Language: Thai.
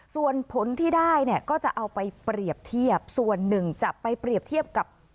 ส่วนผลที่ได้เนี่ยก็จะเอาไปเปรียบเทียบส่วนหนึ่งจะไปเปรียบเทียบกับ